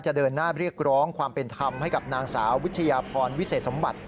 เดินหน้าเรียกร้องความเป็นธรรมให้กับนางสาววิทยาพรวิเศษสมบัติ